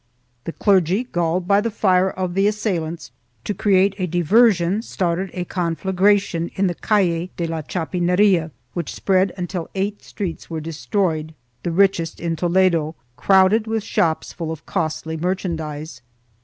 The clergy, galled by the fire of the assailants, to create a diversion, started a con flagration in the calle de la Chapineria, which spread until eight streets were destroyed — the richest in Toledo, crowded with shops; full of costly merchandise.